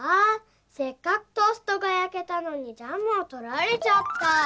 せっかくトーストがやけたのにジャムをとられちゃった。